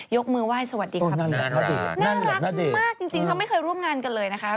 ยกมือไหว้สวัสดีครับน่ารักมากจริงจริงเขาไม่เคยร่วมงานกันเลยนะคะ